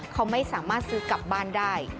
เขาไม่สามารถซื้อกลับบ้านได้